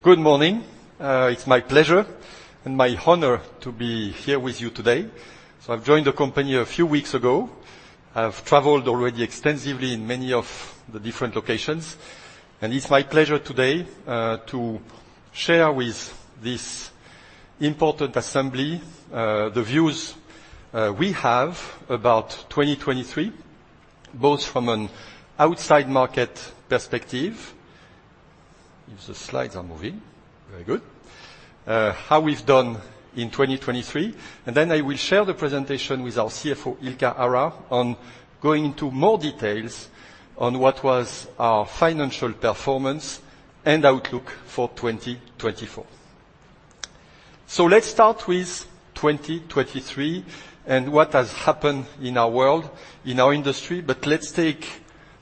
Good morning, it's my pleasure and my honor to be here with you today. So I've joined the company a few weeks ago, I've traveled already extensively in many of the different locations, and it's my pleasure today to share with this important assembly the views we have about 2023, both from an outside market perspective (if the slides are moving, very good), how we've done in 2023, and then I will share the presentation with our CFO Ilkka Hara on going into more details on what was our financial performance and outlook for 2024. So let's start with 2023 and what has happened in our world, in our industry, but let's take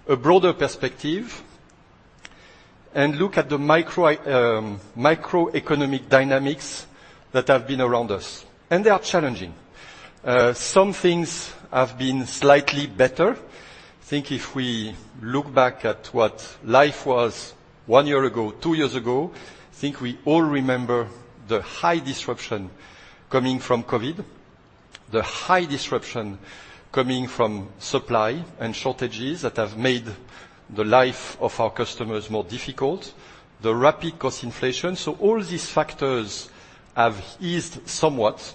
a broader perspective and look at the microeconomic dynamics that have been around us, and they are challenging. Some things have been slightly better. I think if we look back at what life was one year ago, two years ago, I think we all remember the high disruption coming from COVID, the high disruption coming from supply and shortages that have made the life of our customers more difficult, the rapid cost inflation, so all these factors have eased somewhat,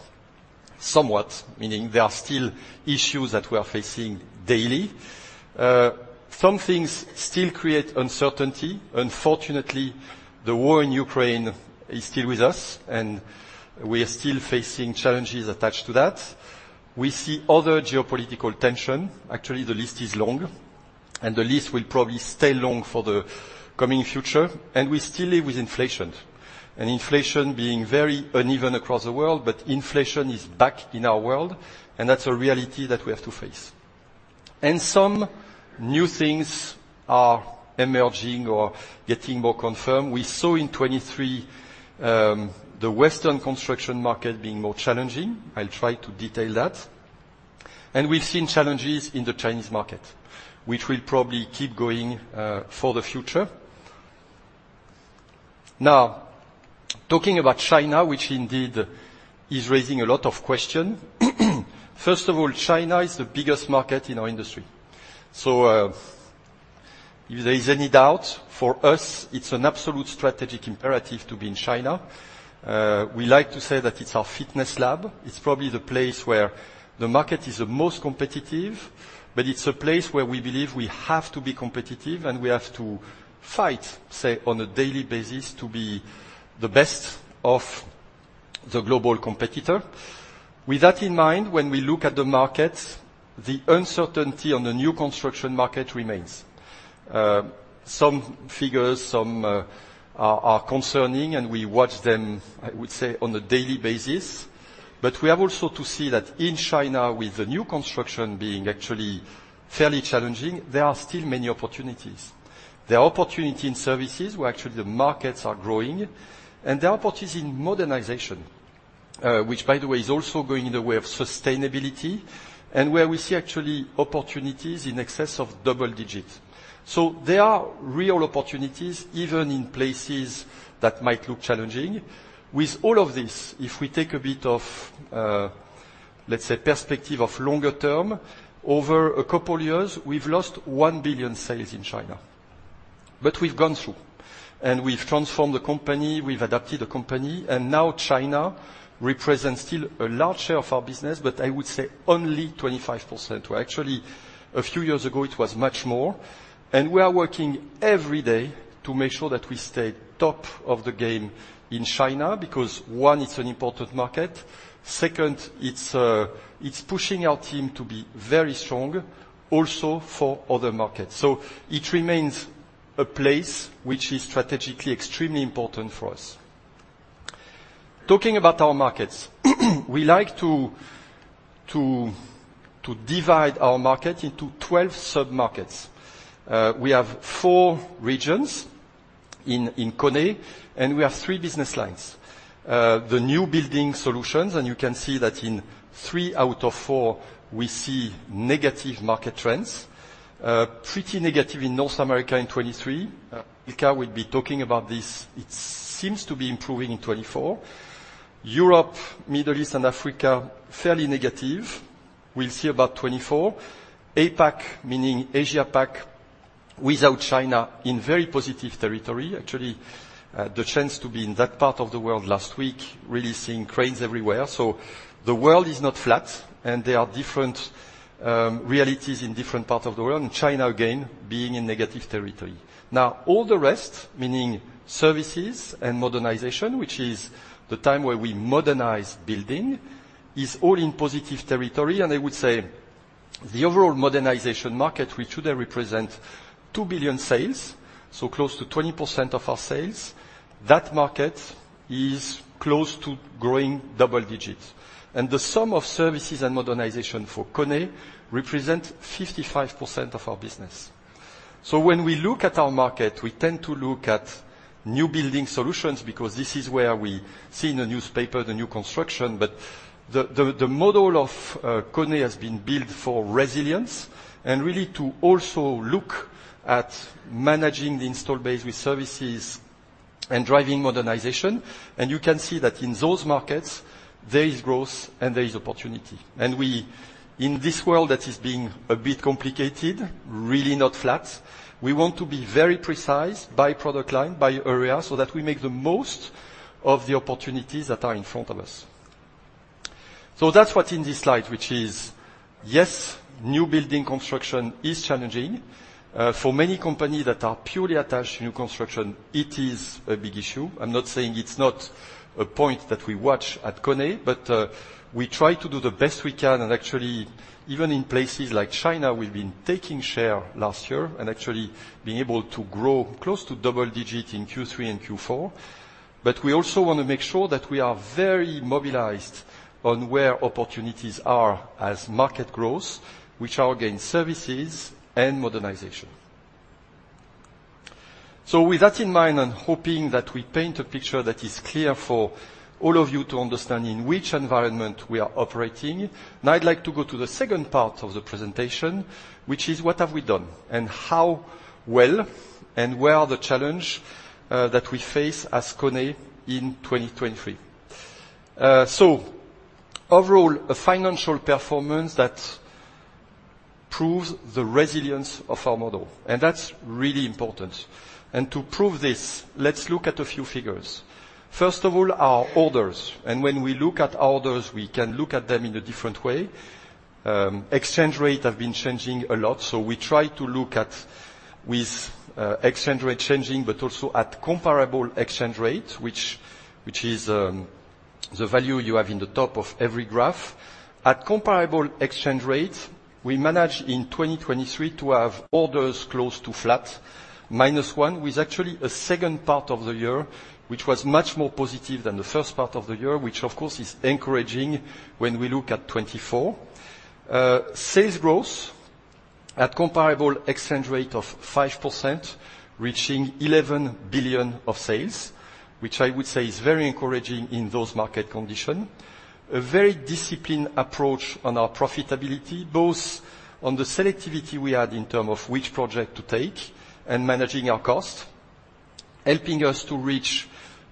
somewhat, meaning there are still issues that we are facing daily. Some things still create uncertainty. Unfortunately, the war in Ukraine is still with us, and we are still facing challenges attached to that. We see other geopolitical tension. Actually, the list is long, and the list will probably stay long for the coming future, and we still live with inflation, and inflation being very uneven across the world, but inflation is back in our world, and that's a reality that we have to face. Some new things are emerging or getting more confirmed. We saw in 2023, the Western construction market being more challenging - I'll try to detail that - and we've seen challenges in the Chinese market, which will probably keep going, for the future. Now, talking about China, which indeed is raising a lot of questions, first of all, China is the biggest market in our industry, so, if there is any doubt, for us, it's an absolute strategic imperative to be in China. We like to say that it's our fitness lab. It's probably the place where the market is the most competitive, but it's a place where we believe we have to be competitive, and we have to fight, say, on a daily basis to be the best of the global competitor. With that in mind, when we look at the market, the uncertainty on the new construction market remains. Some figures, some, are concerning, and we watch them, I would say, on a daily basis, but we have also to see that in China, with the new construction being actually fairly challenging, there are still many opportunities. There are opportunities in Services where actually the markets are growing, and there are opportunities in Modernization, which, by the way, is also going in the way of sustainability, and where we see actually opportunities in excess of double digits. So there are real opportunities even in places that might look challenging. With all of this, if we take a bit of, let's say, perspective of longer term, over a couple of years, we've lost 1 billion sales in China, but we've gone through, and we've transformed the company, we've adapted the company, and now China represents still a large share of our business, but I would say only 25%. Actually, a few years ago, it was much more, and we are working every day to make sure that we stay top of the game in China because, one, it's an important market; second, it's pushing our team to be very strong also for other markets. So it remains a place which is strategically extremely important for us. Talking about our markets, we like to divide our market into 12 sub-markets. We have four regions in KONE, and we have three business lines: the New Building Solutions, and you can see that in three out of four, we see negative market trends, pretty negative in North America in 2023. Ilkka would be talking about this; it seems to be improving in 2024. Europe, Middle East, and Africa fairly negative; we'll see about 2024. APAC, meaning Asia-Pacific, without China in very positive territory. Actually, the chance to be in that part of the world last week, really seeing cranes everywhere, so the world is not flat, and there are different realities in different parts of the world, and China again being in negative territory. Now, all the rest, meaning services and modernization, which is the time where we modernize building, is all in positive territory, and I would say the overall modernization market, which today represents 2 billion sales, so close to 20% of our sales, that market is close to growing double digits, and the sum of services and modernization for KONE represents 55% of our business. So when we look at our market, we tend to look at New Building Solutions because this is where we see in the newspaper the new construction, but the model of KONE has been built for resilience and really to also look at managing the installed base with Services and driving Modernization, and you can see that in those markets, there is growth and there is opportunity, and we in this world that is being a bit complicated, really not flat, we want to be very precise by product line, by area, so that we make the most of the opportunities that are in front of us. So that's what's in this slide, which is, yes, new building construction is challenging for many companies that are purely attached to new construction. It is a big issue. I'm not saying it's not a point that we watch at KONE, but we try to do the best we can, and actually, even in places like China, we've been taking share last year and actually being able to grow close to double digit in Q3 and Q4, but we also want to make sure that we are very mobilized on where opportunities are as market growth, which are again services and modernization. So with that in mind and hoping that we paint a picture that is clear for all of you to understand in which environment we are operating, now I'd like to go to the second part of the presentation, which is what have we done and how well and where are the challenges that we face as KONE in 2023. So overall, a financial performance that proves the resilience of our model, and that's really important, and to prove this, let's look at a few figures. First of all, our orders, and when we look at orders, we can look at them in a different way. Exchange rates have been changing a lot, so we try to look at with exchange rate changing, but also at comparable exchange rates, which is the value you have in the top of every graph. At comparable exchange rates, we manage in 2023 to have orders close to flat, -1, with actually a second part of the year which was much more positive than the first part of the year, which of course is encouraging when we look at 2024. Sales growth at comparable exchange rate of 5% reaching 11 billion of sales, which I would say is very encouraging in those market conditions. A very disciplined approach on our profitability, both on the selectivity we had in terms of which project to take and managing our costs, helping us to reach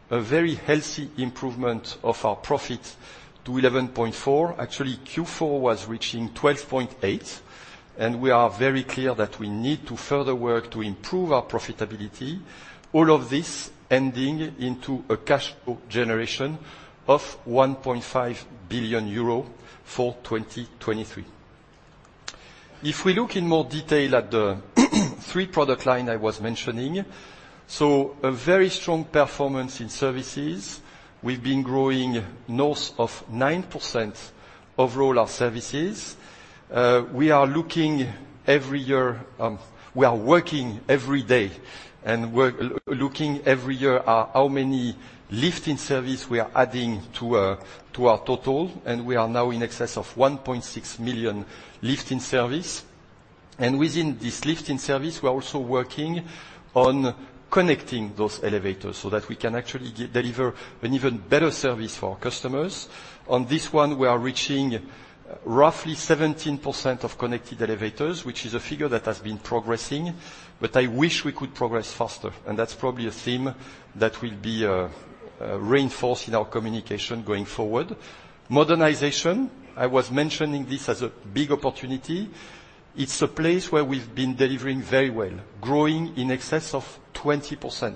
a very healthy improvement of our profit to 11.4%. Actually, Q4 was reaching 12.8%, and we are very clear that we need to further work to improve our profitability, all of this ending into a cash flow generation of 1.5 billion euro for 2023. If we look in more detail at the three product lines I was mentioning, so a very strong performance in services. We've been growing north of 9% overall our services. We are looking every year, we are working every day and we're looking every year at how many lifts in services we are adding to our total, and we are now in excess of 1.6 million lifts in services, and within this lifts in service, we are also working on connecting those elevators so that we can actually deliver an even better service for our customers. On this one, we are reaching roughly 17% of connected elevators, which is a figure that has been progressing, but I wish we could progress faster, and that's probably a theme that will be reinforced in our communication going forward. Modernization—I was mentioning this as a big opportunity—it's a place where we've been delivering very well, growing in excess of 20%,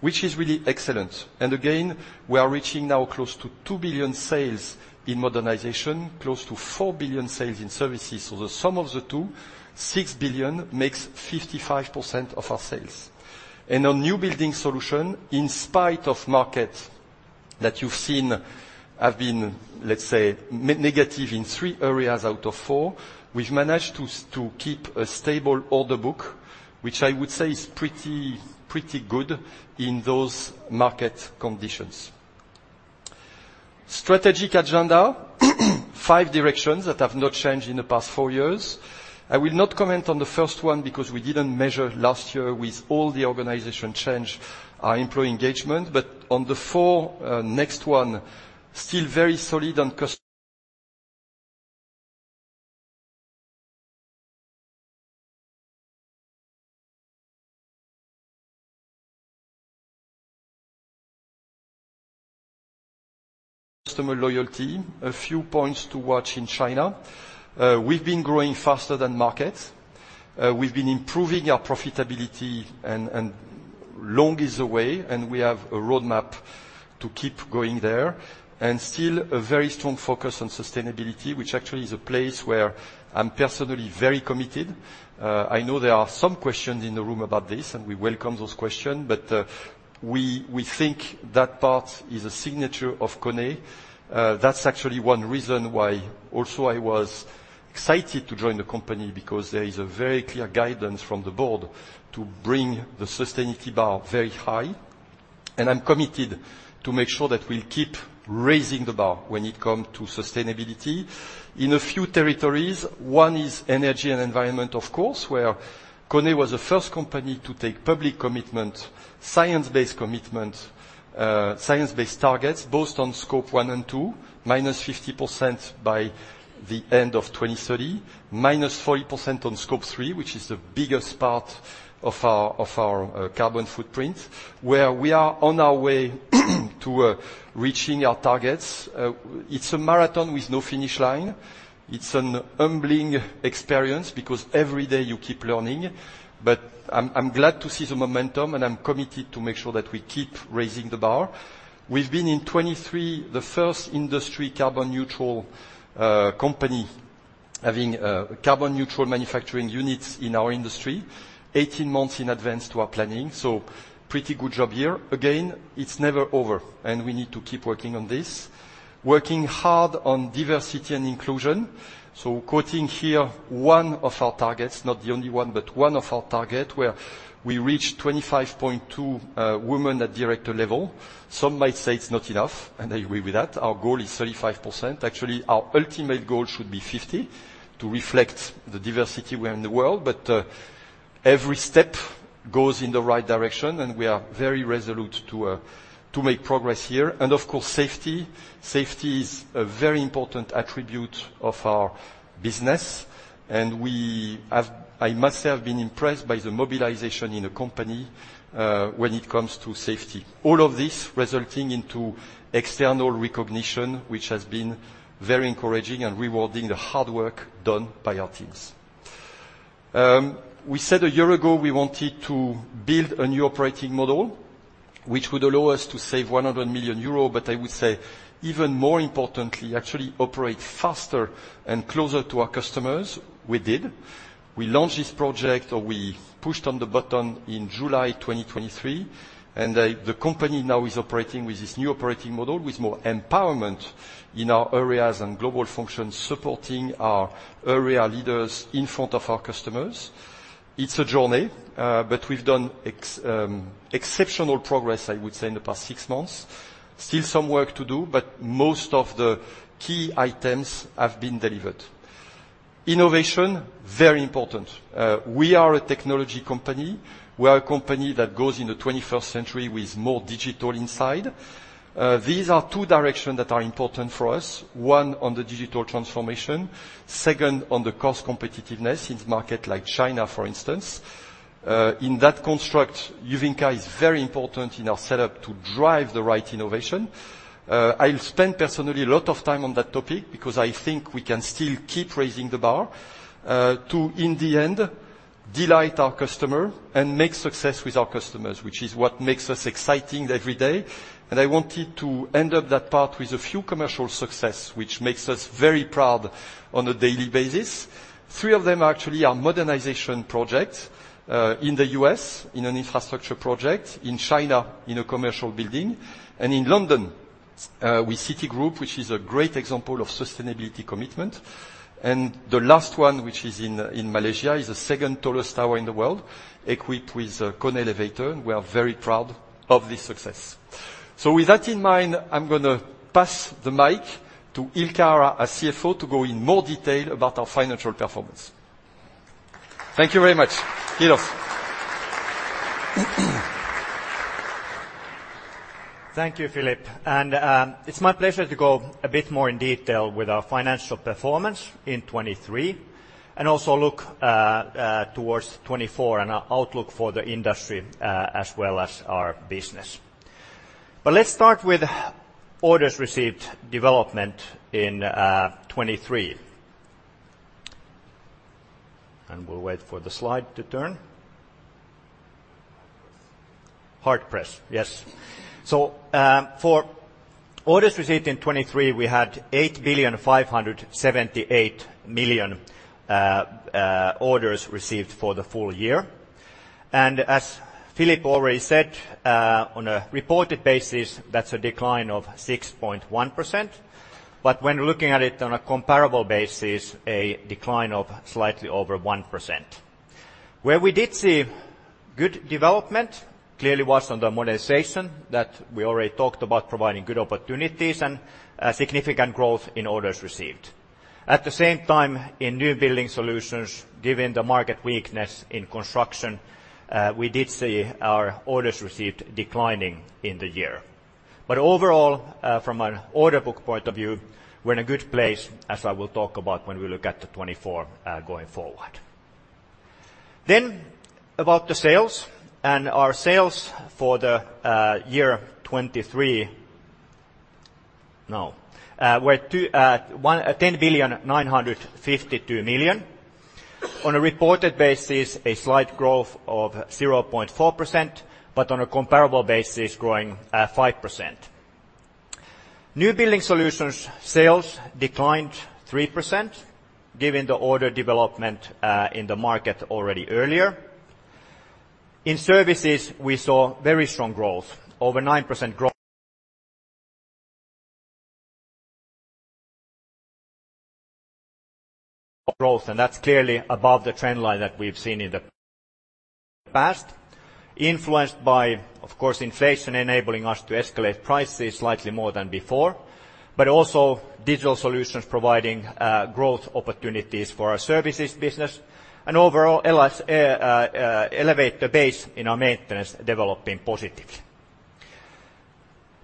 which is really excellent, and again, we are reaching now close to 2 billion sales in modernization, close to 4 billion sales in services, so the sum of the two, 6 billion, makes 55% of our sales. On New Building Solutions, in spite of markets that you've seen have been, let's say, negative in 3 areas out of 4, we've managed to keep a stable order book, which I would say is pretty, pretty good in those market conditions. Strategic agenda: Five directions that have not changed in the past four years. I will not comment on the first one because we didn't measure last year with all the organization change, our employee engagement, but on the four next one, still very solid on customer. Customer loyalty: A few points to watch in China. We've been growing faster than markets. We've been improving our profitability, and, and long is the way, and we have a roadmap to keep going there, and still a very strong focus on sustainability, which actually is a place where I'm personally very committed. I know there are some questions in the room about this, and we welcome those questions, but we think that part is a signature of KONE. That's actually one reason why also I was excited to join the company because there is a very clear guidance from the board to bring the sustainability bar very high, and I'm committed to make sure that we'll keep raising the bar when it comes to sustainability. In a few territories, one is energy and environment, of course, where KONE was the first company to take public commitment, science-based commitment, science-based targets both on Scope 1 and 2, -50% by the end of 2030, -40% on Scope 3, which is the biggest part of our carbon footprint, where we are on our way to reaching our targets. It's a marathon with no finish line. It's a humbling experience because every day you keep learning, but I'm glad to see the momentum, and I'm committed to make sure that we keep raising the bar. We've been in 2023 the first industry carbon neutral company having carbon neutral manufacturing units in our industry, 18 months in advance to our planning, so pretty good job here. Again, it's never over, and we need to keep working on this, working hard on diversity and inclusion. So quoting here one of our targets, not the only one, but one of our targets where we reached 25.2%, women at director level. Some might say it's not enough, and I agree with that. Our goal is 35%. Actually, our ultimate goal should be 50% to reflect the diversity we're in the world, but every step goes in the right direction, and we are very resolute to make progress here, and of course, safety. Safety is a very important attribute of our business, and we have, I must say, have been impressed by the mobilization in a company, when it comes to safety, all of this resulting into external recognition, which has been very encouraging and rewarding the hard work done by our teams. We said a year ago we wanted to build a new operating model which would allow us to save 100 million euros, but I would say even more importantly, actually operate faster and closer to our customers. We did. We launched this project, or we pushed on the button in July 2023, and the company now is operating with this new operating model with more empowerment in our areas and global functions, supporting our area leaders in front of our customers. It's a journey, but we've done exceptional progress, I would say, in the past six months. Still some work to do, but most of the key items have been delivered. Innovation: very important. We are a technology company. We are a company that goes in the 21st century with more digital inside. These are two directions that are important for us: one on the digital transformation, second on the cost competitiveness in markets like China, for instance. In that construct, Hyvinkää is very important in our setup to drive the right innovation. I'll spend personally a lot of time on that topic because I think we can still keep raising the bar, to in the end delight our customer and make success with our customers, which is what makes us exciting every day, and I wanted to end up that part with a few commercial successes which makes us very proud on a daily basis. Three of them actually are modernization projects, in the US in an infrastructure project, in China in a commercial building, and in London, with Citigroup, which is a great example of sustainability commitment, and the last one, which is in, in Malaysia, is the second tallest tower in the world equipped with a KONE elevator, and we are very proud of this success. So with that in mind, I'm gonna pass the mic to Ilkka Hara, our CFO, to go in more detail about our financial performance. Thank you very much, Nicolas. Thank you, Philippe, and, it's my pleasure to go a bit more in detail with our financial performance in 2023 and also look, towards 2024 and our outlook for the industry, as well as our business. But let's start with orders received development in, 2023, and we'll wait for the slide to turn. Hard press, yes. So, for orders received in 2023, we had 8,578 million, orders received for the full year, and as Philippe already said, on a reported basis, that's a decline of 6.1%, but when looking at it on a comparable basis, a decline of slightly over 1%. Where we did see good development clearly was on the modernization that we already talked about, providing good opportunities and significant growth in orders received. At the same time, in New Building Solutions, given the market weakness in construction, we did see our orders received declining in the year, but overall, from an order book point of view, we're in a good place, as I will talk about when we look at the 2024, going forward. Then about the sales and our sales for the year 2023. Now, we're at 10,952 million. On a reported basis, a slight growth of 0.4%, but on a comparable basis, growing 5%. New Building Solutions sales declined 3% given the order development in the market already earlier. In Services, we saw very strong growth, over 9% growth, and that's clearly above the trend line that we've seen in the past, influenced by, of course, inflation enabling us to escalate prices slightly more than before, but also digital solutions providing growth opportunities for our Services business and overall elevator base in our maintenance developing positively.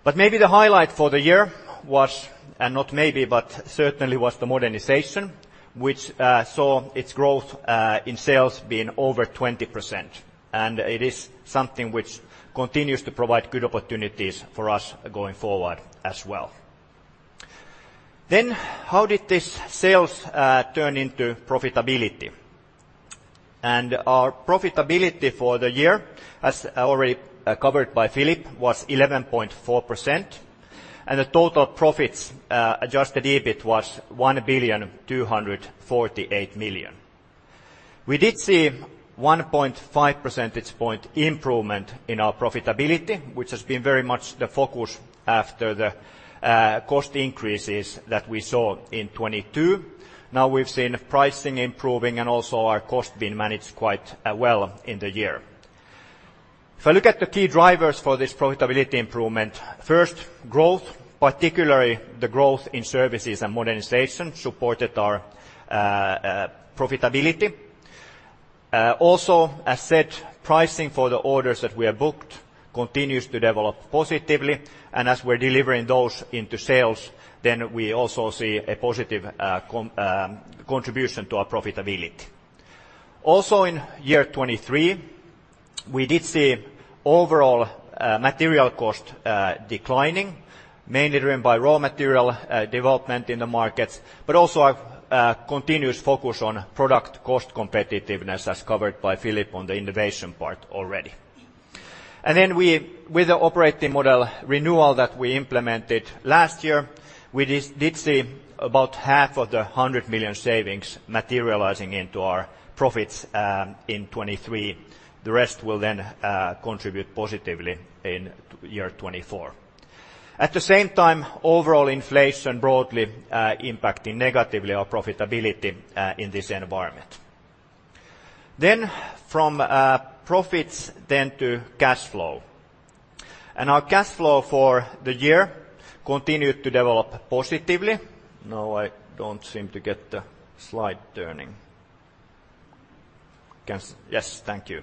But maybe the highlight for the year was, and not maybe, but certainly was the Modernization, which saw its growth in sales being over 20%, and it is something which continues to provide good opportunities for us going forward as well. Then how did this sales turn into profitability? Our profitability for the year, as already covered by Philippe, was 11.4%, and the total profits, Adjusted EBIT was 1,248 million. We did see 1.5 percentage point improvement in our profitability, which has been very much the focus after the cost increases that we saw in 2022. Now we've seen pricing improving, and also our costs have been managed quite well in the year. If I look at the key drivers for this profitability improvement, first, growth, particularly the growth in services and modernization supported our profitability. Also, as said, pricing for the orders that we have booked continues to develop positively, and as we're delivering those into sales, then we also see a positive contribution to our profitability. Also in 2023, we did see overall material cost declining, mainly driven by raw material development in the markets, but also a continuous focus on product cost competitiveness, as covered by Philippe on the innovation part already. And then we, with the operating model renewal that we implemented last year, we did see about half of the 100 million savings materializing into our profits in 2023. The rest will then contribute positively in 2024. At the same time, overall inflation broadly impacting negatively our profitability in this environment. Then from profits then to cash flow, and our cash flow for the year continued to develop positively. Now I don't seem to get the slide turning. Can—yes, thank you.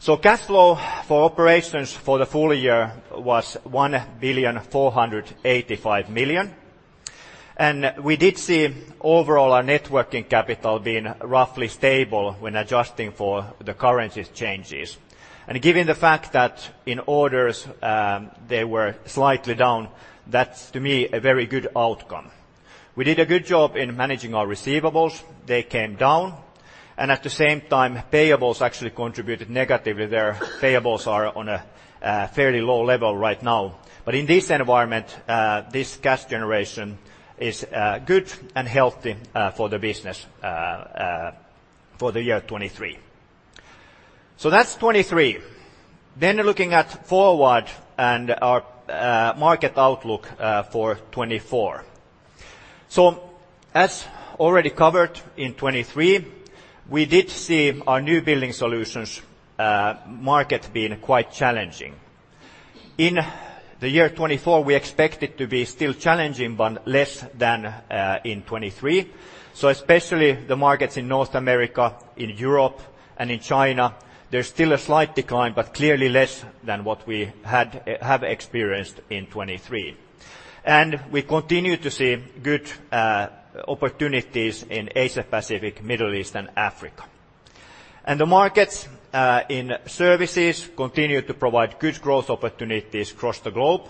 So cash flow for operations for the full year was 1,485 million, and we did see overall our net working capital being roughly stable when adjusting for the currency changes, and given the fact that in orders, they were slightly down, that's to me a very good outcome. We did a good job in managing our receivables; they came down, and at the same time, payables actually contributed negatively. Their payables are on a fairly low level right now, but in this environment, this cash generation is good and healthy for the business for the year 2023. So that's 2023. Then looking forward and our market outlook for 2024. So as already covered in 2023, we did see our New Building Solutions market being quite challenging. In the year 2024, we expected to be still challenging but less than in 2023, so especially the markets in North America, in Europe, and in China. There's still a slight decline but clearly less than what we had experienced in 2023, and we continue to see good opportunities in Asia-Pacific, Middle East, and Africa. The markets in services continue to provide good growth opportunities across the globe,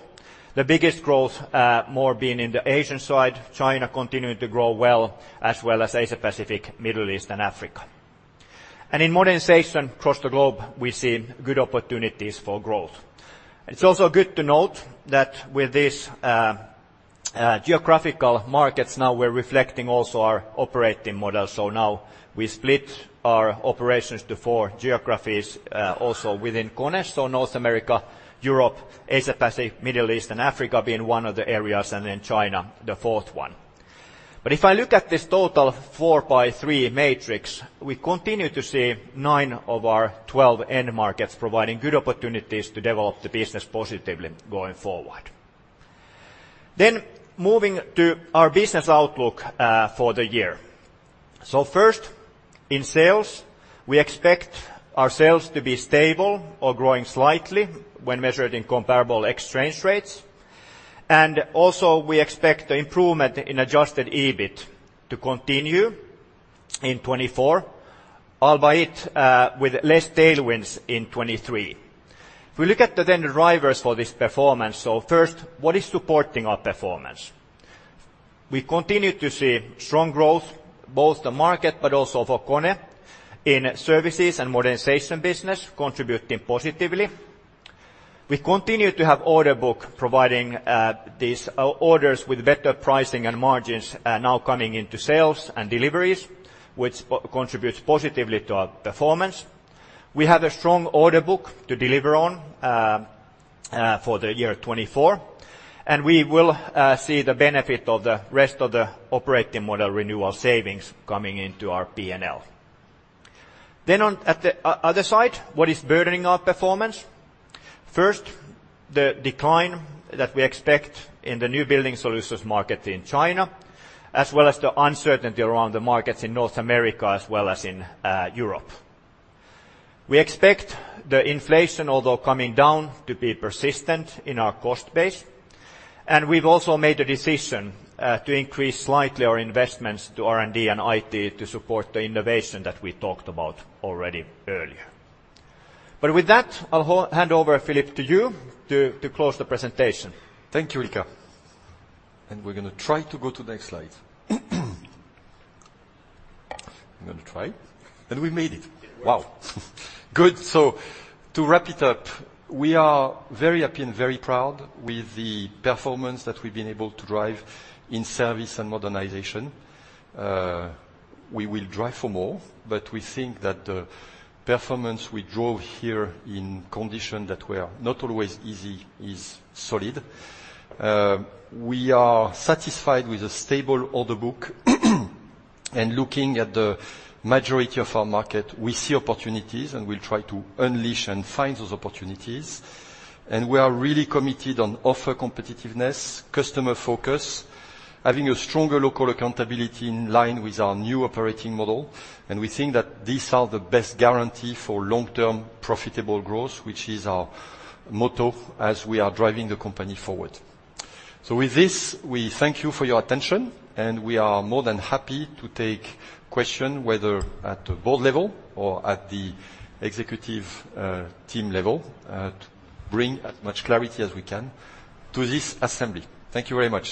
the biggest growth more being in the Asian side, China continuing to grow well as well as Asia-Pacific, Middle East, and Africa. In modernization across the globe, we see good opportunities for growth. It's also good to note that with this, geographical markets now, we're reflecting also our operating model, so now we split our operations to four geographies, also within KONE, so North America, Europe, Asia-Pacific, Middle East, and Africa being one of the areas, and then China the fourth one. But if I look at this total 4x3 matrix, we continue to see nine of our 12 end markets providing good opportunities to develop the business positively going forward. Then moving to our business outlook, for the year. So first, in sales, we expect our sales to be stable or growing slightly when measured in comparable exchange rates, and also we expect the improvement in Adjusted EBIT to continue in 2024, albeit with less tailwinds in 2023. If we look at the then drivers for this performance, so first, what is supporting our performance? We continue to see strong growth, both the market but also for KONE, in Services and Modernization business contributing positively. We continue to have order book providing these orders with better pricing and margins now coming into sales and deliveries, which contributes positively to our performance. We have a strong order book to deliver on, for the year 2024, and we will see the benefit of the rest of the operating model renewal savings coming into our P&L. Then on the other side, what is burdening our performance? First, the decline that we expect in the New Building Solutions market in China, as well as the uncertainty around the markets in North America as well as in Europe. We expect the inflation, although coming down, to be persistent in our cost base, and we've also made the decision to increase slightly our investments to R&D and IT to support the innovation that we talked about already earlier. But with that, I'll hand over, Philippe, to you to close the presentation. Thank you, Ilkka, and we're going to try to go to the next slide. I'm going to try, and we made it. Wow, good. So to wrap it up, we are very happy and very proud with the performance that we've been able to drive in service and modernization. We will drive for more, but we think that the performance we drove here in conditions that were not always easy is solid. We are satisfied with a stable order book, and looking at the majority of our market, we see opportunities, and we'll try to unleash and find those opportunities, and we are really committed on offer competitiveness, customer focus, having a stronger local accountability in line with our new operating model, and we think that these are the best guarantee for long-term profitable growth, which is our motto as we are driving the company forward. So with this, we thank you for your attention, and we are more than happy to take questions whether at the board level or at the executive team level, to bring as much clarity as we can to this assembly. Thank you very much.